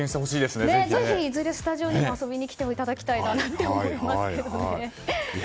いずれスタジオにも遊びに来ていただきたいなと思いますね。